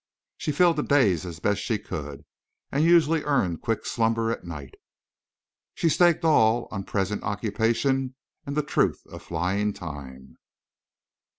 She filled the days as best she could, and usually earned quick slumber at night. She staked all on present occupation and the truth of flying time.